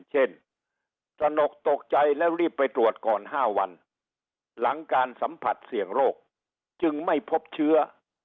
ตระหนกตกใจแล้วรีบไปตรวจก่อน๕วันหลังการสัมผัสเสี่ยงโรคจึงไม่พบเชื้อ